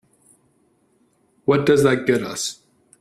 What does that get us?